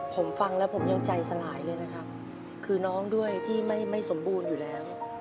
ผมฟังแล้วผมยังใจสลายเลยนะครับคือน้องด้วยที่ไม่สมบูรณ์อยู่แล้ว